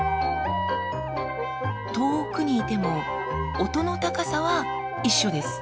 遠くにいても音の高さは一緒です。